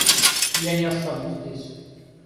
Я не останусь здесь.